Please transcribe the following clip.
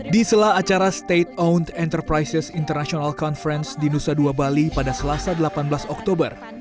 di sela acara state owned enterprises international conference di nusa dua bali pada selasa delapan belas oktober